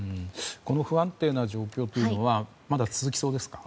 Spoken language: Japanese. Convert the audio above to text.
この不安定な状況というのはまだ続きそうですか？